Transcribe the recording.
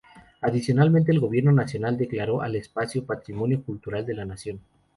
Adicionalmente el gobierno nacional declaró al espacio, Patrimonio Cultural de la nación.